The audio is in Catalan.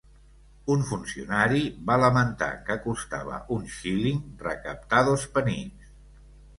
Un funcionari va lamentar que "costava un xíling recaptar dos penics".